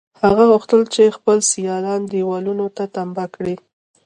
هغه غوښتل چې خپل سیالان دېوالونو ته تمبه کړي